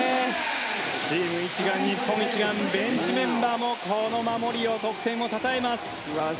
チーム一丸、日本一丸ベンチメンバーもこの守りを、得点を称えます。